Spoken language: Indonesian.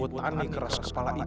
aku pasti akan cari kalian